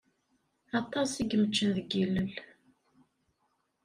Aṭas i yemeččen deg ilel.